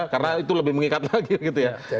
karena itu lebih mengikat lagi gitu ya